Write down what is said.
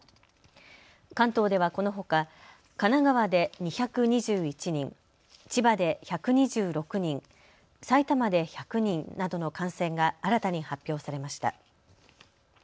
関東では、このほか神奈川で２２１人、千葉で１２６人、埼玉で１００人などの感染が新たに発表されました。